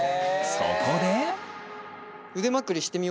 そこで。